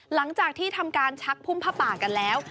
หลังจากที่ทำการชักพุ่มผ้าป่ากันแล้ว